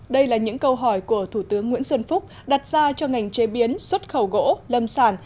đây là những câu hỏi của thủ tướng nguyễn xuân phúc đặt ra cho ngành chế biến xuất khẩu gỗ lâm sản